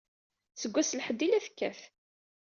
Seg wass n lḥedd ay la tekkat.